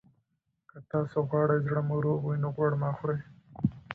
که تاسي غواړئ زړه مو روغ وي، نو غوړ مه خورئ.